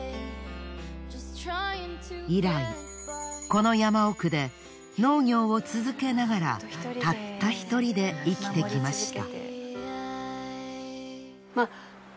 以来この山奥で農業を続けながらたった一人で生きてきました。